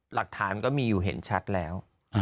หลักฐานก็มีอยู่เห็นชัดแล้ว